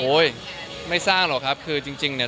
ไม่สร้างหรอกครับคือจริงเนี่ย